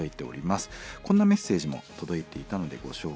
こんなメッセージも届いていたのでご紹介します。